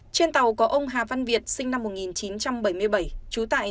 trên tàu có ông hà văn việt sinh năm một nghìn chín trăm bảy mươi bảy trú tại